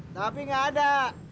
tapi gak ada